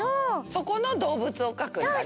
そこのどうぶつをかくんだね。